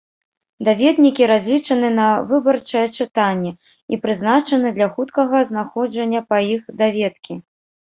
Даведнікі разлічаны на выбарчае чытанне і прызначаны для хуткага знаходжання па іх даведкі.